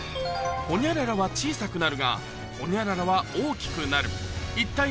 ホニャララは小さくなるが、ホニャララは大きくなる。